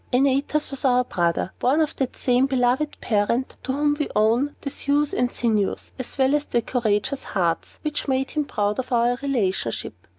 "Antaeus was our brother, born of that same beloved parent to whom we owe the thews and sinews, as well as the courageous hearts, which made him proud of our relationship.